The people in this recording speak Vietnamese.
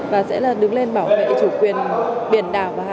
và sẽ đứng lên bảo vệ chủ quyền